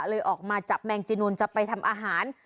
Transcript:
ออกมาจับแมงจีนูนจะไปทำอาหาร